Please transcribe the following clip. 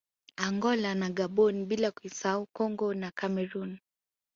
Angola na Gaboni bila kuisahau Congo na Cameroon